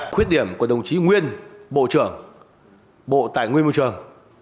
khuyết điểm của đồng chí nguyên bộ trưởng bộ tài nguyên môi trường